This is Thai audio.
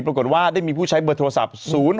ปรากฏว่าได้มีผู้ใช้เบอร์โทรศัพท์